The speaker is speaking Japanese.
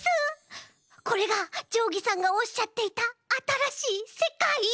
これがじょうぎさんがおっしゃっていたあたらしいせかい。